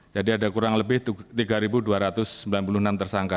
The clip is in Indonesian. jadi ada kurang lebih tiga dua ratus sembilan puluh enam tersangka